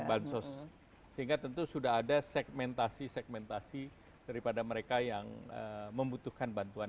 bansos sehingga tentu sudah ada segmentasi segmentasi daripada mereka yang membutuhkan bantuan